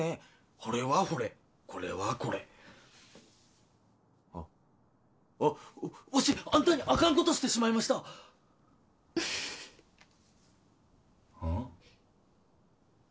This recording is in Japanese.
ほれはほれこれはこれあッわしあんたにアカンことしてしまいましたああ？